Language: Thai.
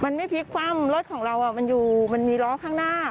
มันไม่พลิกคว่ำรถของเรามันมีร้อข้างหน้า